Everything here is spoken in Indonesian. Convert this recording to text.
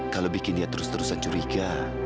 kalau bikin dia terus terusan curiga